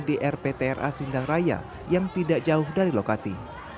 di rptra sindang raya yang tidak jauh dari lokasi